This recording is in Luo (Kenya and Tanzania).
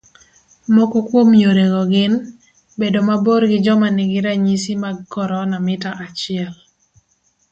Moko kuom yorego gin, bedo mabor gi joma nigi ranyisi mag corona mita achiel